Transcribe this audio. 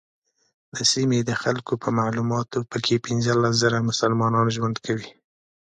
د سیمې د خلکو په معلوماتو په کې پنځلس زره مسلمانان ژوند کوي.